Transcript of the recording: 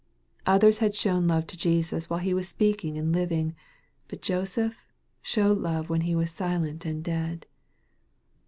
Others had shown love to Jesus while He was speaking and living, but Joseph showed love when He was silent and dead.